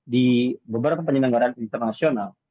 di beberapa penyelenggaran internasional